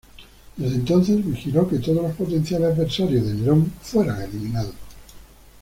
Desde entonces, vigiló que todos los potenciales adversarios de Nerón fueran eliminados.